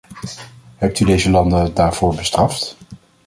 Hebt u deze landen daarvoor bestraft?